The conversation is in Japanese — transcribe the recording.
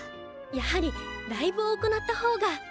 やはりライブを行った方が。